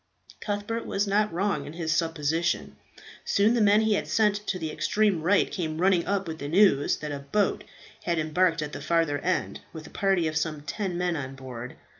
Cuthbert was not wrong in his supposition. Soon the man he had sent to the extreme right came running up with the news that a boat had embarked at the farther end, with a party of some ten men on board.